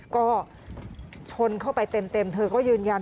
ก็ชนเข้าไปเต็มเธอก็ยืนยัน